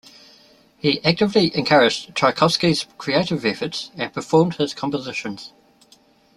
He actively encouraged Tchaikovsky's creative efforts and performed his compositions.